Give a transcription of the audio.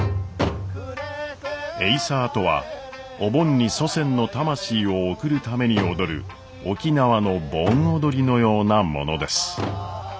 エイサーとはお盆に祖先の魂を送るために踊る沖縄の盆踊りのようなものです。